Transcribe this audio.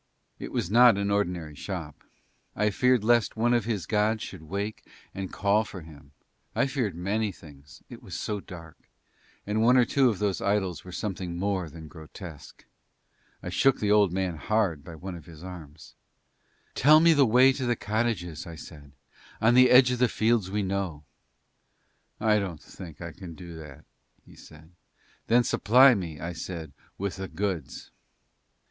It was not an ordinary shop: I feared lest one of his gods should wake and call for him: I feared many things, it was so dark, and one or two of those idols were something more than grotesque. I shook the old man hard by one of his arms. "Tell me the way to the cottages," I said, "on the edge of the fields we know." "I don't think we can do that," he said. "Then supply me," I said, "with the goods."